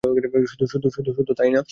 শুধু তাই না।